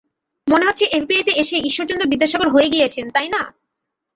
মনে হচ্ছে এফবিআই তে এসে ঈশ্বরচন্দ্র বিদ্যাসাগর হয়ে গিয়েছেন, তাই না?